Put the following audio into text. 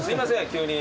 急に。